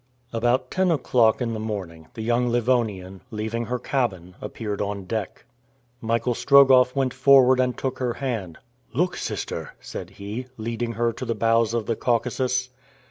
About ten o'clock in the morning, the young Livonian, leaving her cabin, appeared on deck. Michael Strogoff went forward and took her hand. "Look, sister!" said he, leading her to the bows of the Caucasus.